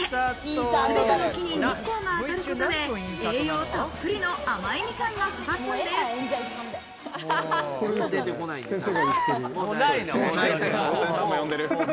全ての木に日光が当たることで、栄養たっぷりの甘いみかんが育つんです。